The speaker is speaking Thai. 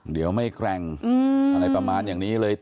เดี๋ยวไม่แกร่งอะไรประมาณอย่างนี้เลย